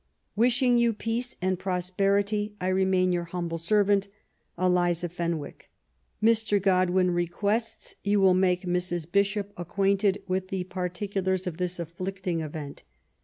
Wishing you peace and prosperity, I remain your humble servant, Eliza Fenwiok. Mr. Godwin requests you will make Mrs. Bishop acquainted with the particulars of this afflicting event.